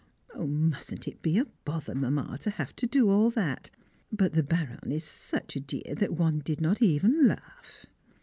Mustn't it be a bother, Mamma, to have to do all that? but the Baronne is such a dear that one did not even laugh.